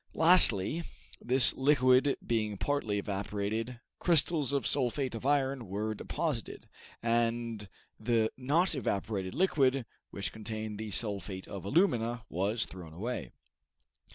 Lastly, this liquid being partly evaporated, crystals of sulphate of iron were deposited, and the not evaporated liquid, which contained the sulphate of alumina, was thrown away.